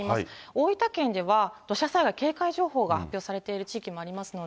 大分県では土砂災害警戒情報が発表されている地域もありますので。